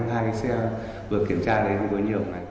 hai cái xe vừa kiểm tra đấy không có nhiều này